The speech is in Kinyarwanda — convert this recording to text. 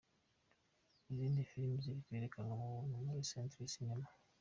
Izindi Filime ziri kwerekanwa ku buntu muri Century Cinemas: .